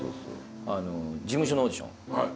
事務所のオーディション